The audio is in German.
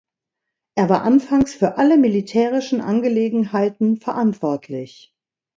Er war anfangs für alle militärischen Angelegenheiten verantwortlich.